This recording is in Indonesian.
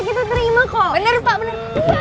kita terima kok bener bener